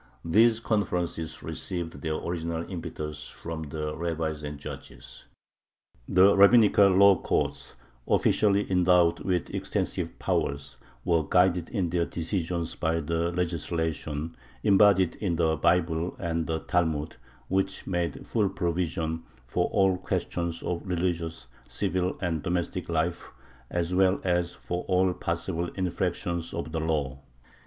These conferences received their original impetus from the rabbis and judges. The rabbinical law courts, officially endowed with extensive powers, were guided in their decisions by the legislation embodied in the Bible and the Talmud, which made full provision for all questions of religious, civil, and domestic life as well as for all possible infractions of the law.